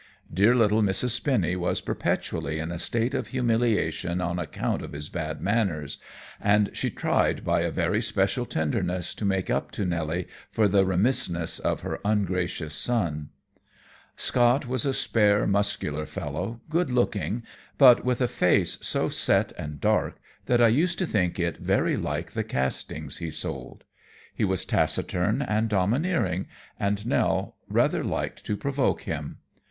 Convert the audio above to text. Dear little Mrs. Spinny was perpetually in a state of humiliation on account of his bad manners, and she tried by a very special tenderness to make up to Nelly for the remissness of her ungracious son. Scott was a spare, muscular fellow, good looking, but with a face so set and dark that I used to think it very like the castings he sold. He was taciturn and domineering, and Nell rather liked to provoke him.